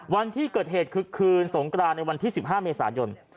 วันที่เกิดเหตุคือคืนสงกรานในวันที่๑๕เมษายน